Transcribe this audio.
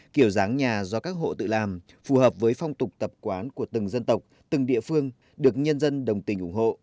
kiểu dáng nhà do các hộ tự làm phù hợp với phong tục tập quán của từng dân tộc từng địa phương được nhân dân đồng tình ủng hộ